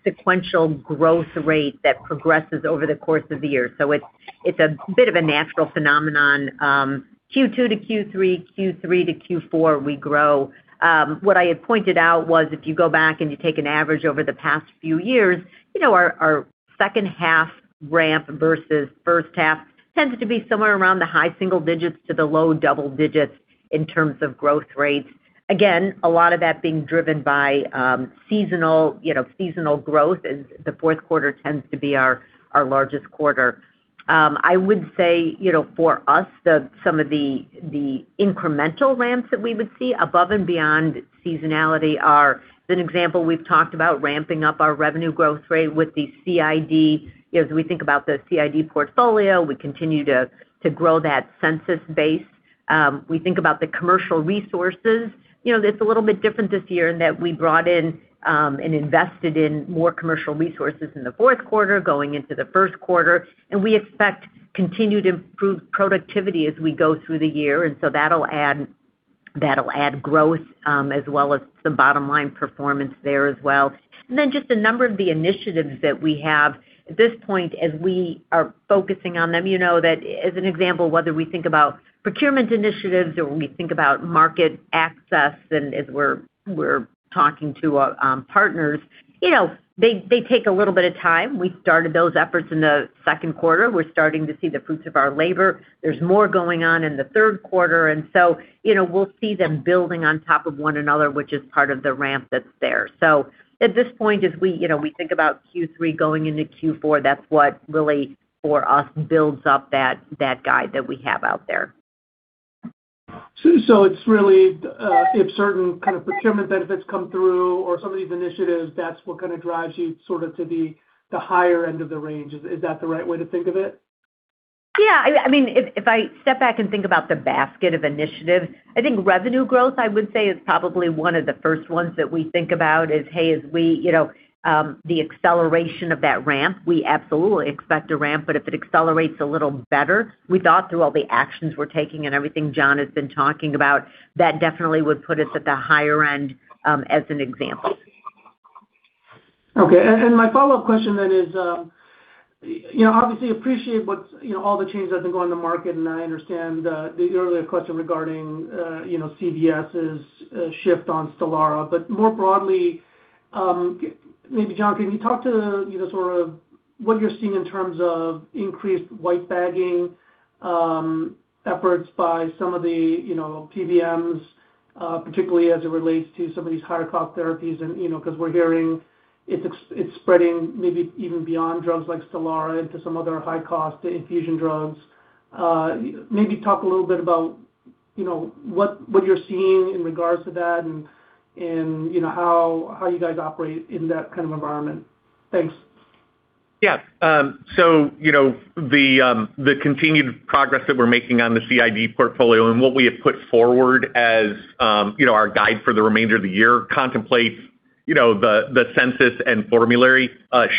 sequential growth rate that progresses over the course of the year. It's a bit of a natural phenomenon. Q2 to Q3 to Q4, we grow. What I had pointed out was if you go back and take an average over the past few years, our second half ramp versus first half tends to be somewhere around the high-single-digits to the low-double-digits in terms of growth rates. Again, a lot of that being driven by seasonal growth as the fourth quarter tends to be our largest quarter. I would say for us, some of the incremental ramps that we would see above and beyond seasonality are an example we've talked about ramping-up our revenue growth rate with the CID. As we think about the CID portfolio, we continue to grow that census base. We think about the commercial resources. It's a little bit different this year in that we brought in and invested in more commercial resources in the fourth quarter going into the first quarter, and we expect continued improved productivity as we go through the year, that'll add growth as well as some bottom-line performance there as well. A number of the initiatives that we have at this point as we are focusing on them. You know that as an example, whether we think about procurement initiatives or when we think about market access, as we're talking to partners, they take a little bit of time. We started those efforts in the second quarter. We're starting to see the fruits of our labor. There's more going on in the third quarter. We'll see them building on top of one another, which is part of the ramp that's there. At this point, as we think about Q3 going into Q4, that's what really for us builds up that guide that we have out there. It's really if certain kind of procurement benefits come through or some of these initiatives, that's what kind of drives you sort of to the higher-end of the range. Is that the right way to think of it? Yeah. If I step back and think about the basket of initiatives, I think revenue growth, I would say, is probably one of the first ones that we think about is, hey, the acceleration of that ramp, we absolutely expect a ramp, but if it accelerates a little better, we thought through all the actions we're taking and everything John has been talking about, that definitely would put us at the higher-end, as an example. Okay. My follow-up question then is, obviously appreciate all the changes that have been going on the market, I understand the earlier question regarding CVS's shift on STELARA. More broadly, maybe John, can you talk to sort of what you're seeing in terms of increased white bagging efforts by some of the PBMs, particularly as it relates to some of these higher cost therapies, because we're hearing it's spreading maybe even beyond drugs like STELARA into some other high-cost infusion drugs. Maybe talk a little bit about what you're seeing in regards to that and how you guys operate in that kind of environment. Thanks. Yes. The continued progress that we're making on the CID portfolio and what we have put forward as our guide for the remainder of the year contemplates the census and formulary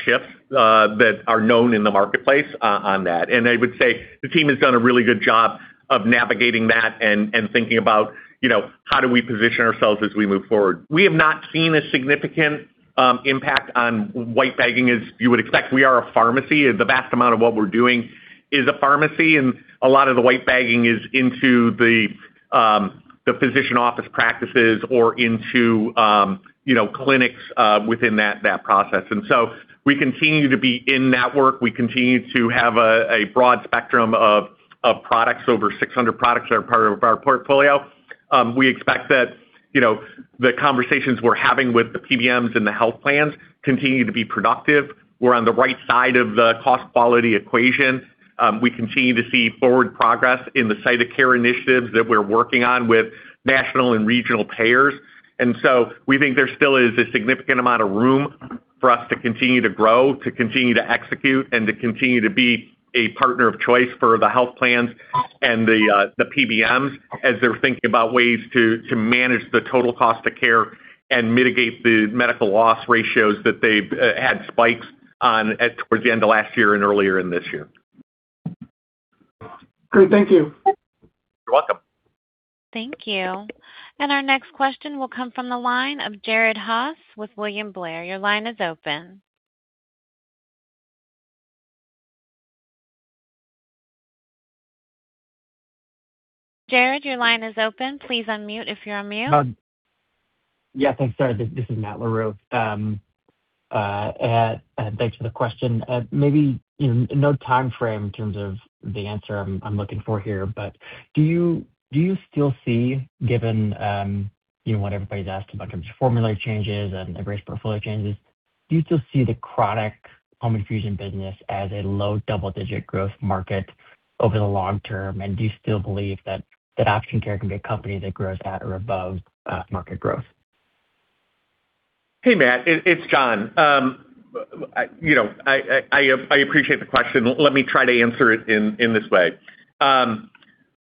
shifts that are known in the marketplace on that. I would say the team has done a really good job of navigating that and thinking about how do we position ourselves as we move forward. We have not seen a significant impact on white bagging, as you would expect. We are a pharmacy, and the vast amount of what we're doing is a pharmacy, and a lot of the white bagging is into the physician office practices or into clinics within that process. We continue to be in network. We continue to have a broad spectrum of products. Over 600 products are part of our portfolio. We expect that the conversations we're having with the PBMs and the health plans continue to be productive. We're on the right side of the cost-quality equation. We continue to see forward progress in the site of care initiatives that we're working on with national and regional payers. We think there still is a significant amount of room for us to continue to grow, to continue to execute, and to continue to be a partner of choice for the health plans and the PBMs as they're thinking about ways to manage the total cost of care and mitigate the medical loss ratios that they've had spikes on towards the end of last year and earlier in this year. Great. Thank you. You're welcome. Thank you. Our next question will come from the line of Jared Haase with William Blair. Your line is open. Jared, your line is open. Please unmute if you're on mute. Yes, thanks. Sorry, this is Matt Larew. Thanks for the question. Maybe no timeframe in terms of the answer I'm looking for here, but do you still see, given what everybody's asked about terms of formulary changes and embrace portfolio changes, do you still see the chronic home infusion business as a low-double-digit growth market over the long-term? Do you still believe that Option Care can be a company that grows at or above market growth? Hey, Matt, it's John. I appreciate the question. Let me try to answer it in this way.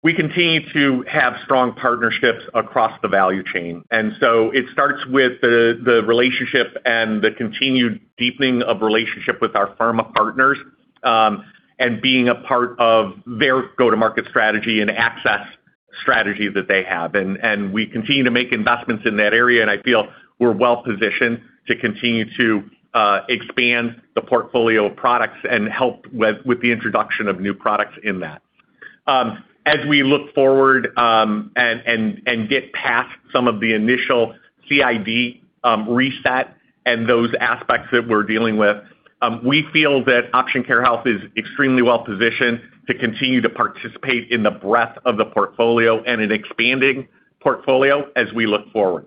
We continue to have strong partnerships across the value chain, so it starts with the relationship and the continued deepening of relationship with our pharma partners, being a part of their go-to-market strategy and access strategy that they have. We continue to make investments in that area, I feel we're well-positioned to continue to expand the portfolio of products and help with the introduction of new products in that. As we look forward and get past some of the initial CID reset and those aspects that we're dealing with, we feel that Option Care Health is extremely well-positioned to continue to participate in the breadth of the portfolio and an expanding portfolio as we look forward.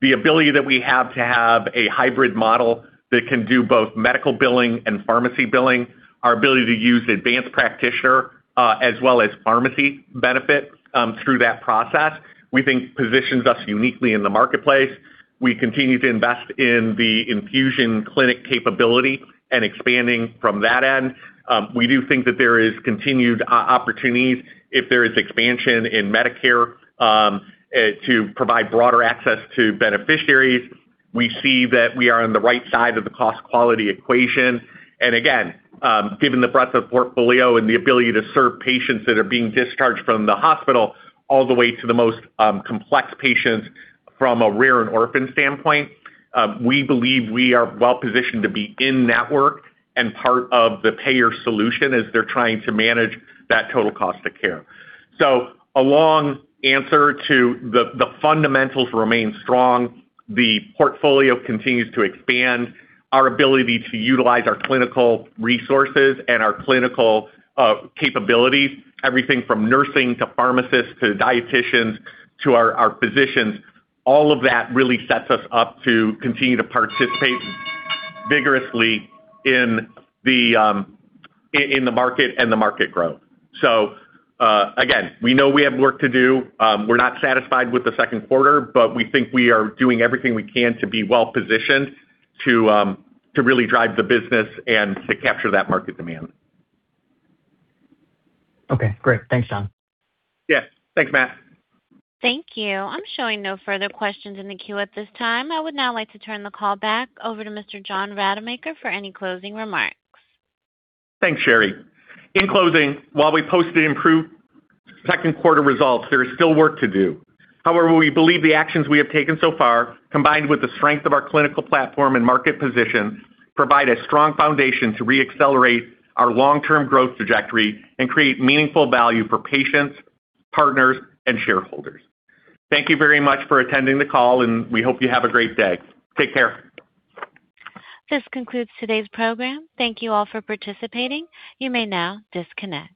The ability that we have to have a hybrid model that can do both medical billing and pharmacy billing, our ability to use advanced practitioner as well as pharmacy benefits through that process, we think positions us uniquely in the marketplace. We continue to invest in the infusion clinic capability and expanding from that end. We do think that there is continued opportunities if there is expansion in Medicare to provide broader access to beneficiaries. We see that we are on the right side of the cost-quality equation. Again, given the breadth of portfolio and the ability to serve patients that are being discharged from the hospital all the way to the most complex patients from a rare and orphan standpoint, we believe we are well-positioned to be in network and part of the payer solution as they're trying to manage that total cost of care. A long answer to the fundamentals remain strong. The portfolio continues to expand our ability to utilize our clinical resources and our clinical capabilities, everything from nursing to pharmacists to dietitians to our physicians. All of that really sets us up to continue to participate vigorously in the market and the market growth. Again, we know we have work to do. We're not satisfied with the second quarter. We think we are doing everything we can to be well-positioned to really drive the business and to capture that market demand. Okay, great. Thanks, John. Yeah. Thanks, Matt. Thank you. I'm showing no further questions in the queue at this time. I would now like to turn the call back over to Mr. John Rademacher for any closing remarks. Thanks, Sherry. In closing, while we posted improved second quarter results, there is still work to do. However, we believe the actions we have taken so far, combined with the strength of our clinical platform and market position, provide a strong foundation to re-accelerate our long-term growth trajectory and create meaningful value for patients, partners, and shareholders. Thank you very much for attending the call, and we hope you have a great day. Take care. This concludes today's program. Thank you all for participating. You may now disconnect.